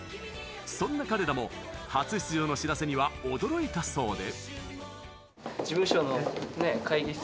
そんな彼らも初出場の知らせには驚いたそうで。